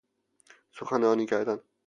سخنرانی کردن